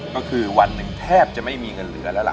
ก็คือวันหนึ่งแทบจะไม่มีเงินเหลือแล้วล่ะ